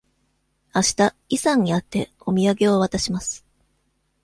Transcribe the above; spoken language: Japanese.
あしたイさんに会って、お土産を渡します。